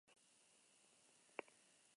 Ildo horretan, lotura ikertzeko exijitu dute.